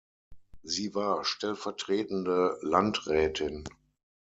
Sie war stellvertretende Landrätin.